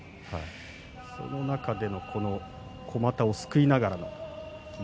その中でこまたをすくいながら。